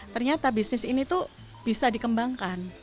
ternyata bisnis ini tuh bisa dikembangkan